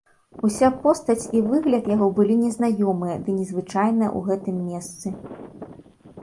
Уся постаць і выгляд яго былі незнаёмыя ды незвычайныя ў гэтым месцы.